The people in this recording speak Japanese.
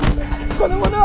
この者が！